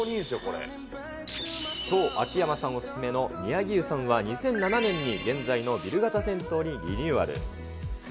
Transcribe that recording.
そう、秋山さんお勧めの宮城湯さんは２００７年に現在のビル型銭湯にリニューアル。